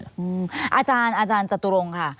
อาจารย์อาจารย์จตุรงค่ะ